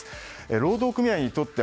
労働組合にとっては